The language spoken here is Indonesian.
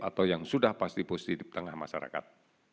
atau yang sudah pasti posisi di tengah masyarakat